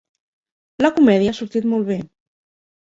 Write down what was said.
La comèdia ha sortit molt bé.